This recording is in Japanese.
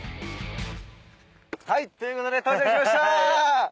はい！ということで到着しました！